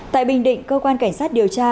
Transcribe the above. tại bình định cơ quan cảnh sát điều tra